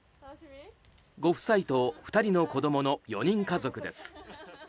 ご夫妻と２人の子供の４人家族です。